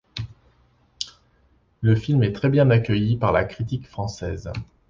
Le film est très bien accueilli par la critique française.